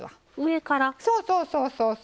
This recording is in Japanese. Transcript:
そうそうそうそうそう。